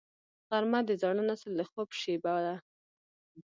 غرمه د زاړه نسل د خوب شیبه ده